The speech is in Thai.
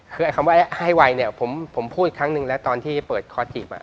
คือไอ้คำว่าให้ไวเนี่ยผมพูดอีกครั้งนึงแล้วตอนที่เปิดคอร์สจีบ